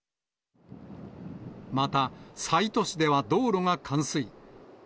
また、西都市では道路が冠水。